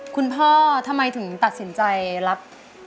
ทำไมถึงตัดสินใจรับ